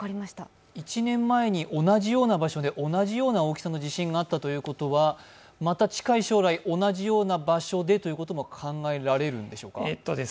１年前に同じような場所で同じような地震があったということは、また近い将来、同じような場所でということも考えられるんでしょうか？